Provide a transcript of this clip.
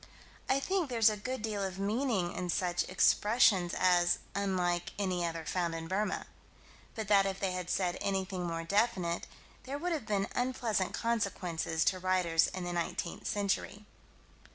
I think there's a good deal of meaning in such expressions as "unlike any other found in Burma" but that if they had said anything more definite, there would have been unpleasant consequences to writers in the 19th century.